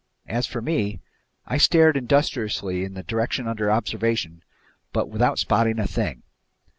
As for me, I stared industriously in the direction under observation but without spotting a thing.